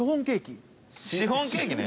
シフォンケーキね。